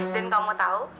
dan kamu tau